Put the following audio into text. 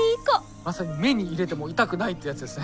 まさに目に入れても痛くないってやつですね。